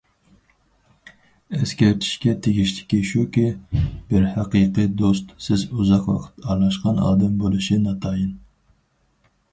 ئەسكەرتىشكە تېگىشلىكى شۇكى، بىر ھەقىقىي دوست سىز ئۇزاق ۋاقىت ئارىلاشقان ئادەم بولۇشى ناتايىن.